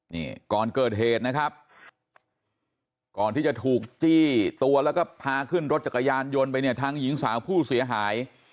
นี่ก่อนเกิดเหตุนะครับก่อนที่จะถูกจี้ตัวแล้วก็พาขึ้นรถจักรยานยนต์ไปเนี่ยทั้งหญิงสาวผู้เสียหาย